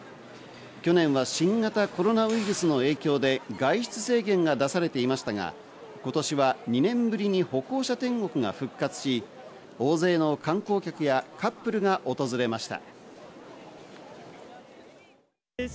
去年は新型コロナウイルスの影響で外出制限が出されていましたが、今年は２年ぶりに歩行者天国が復活し、大勢の観光客やカップルが訪れました。